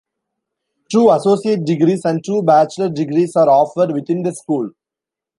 Two Associate Degrees and two Bachelor Degrees are offered within the School.